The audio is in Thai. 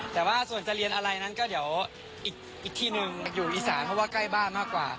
แต่ว่าส่วนจะเรียนอะไรนั้นก็เดี๋ยวอีกที่หนึ่งอยู่อีสานเพราะว่าใกล้บ้านมากกว่า